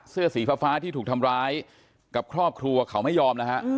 เสื้อสีฟ้าที่ถูกทำร้ายกับครอบครัวเขาไม่ยอมนะฮะ